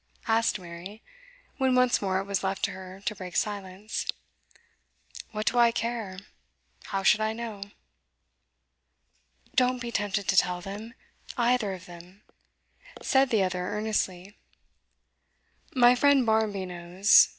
asked Mary, when once more it was left to her to break silence. 'What do I care? How should I know?' 'Don't be tempted to tell them either of them!' said the other earnestly. 'My friend Barmby knows.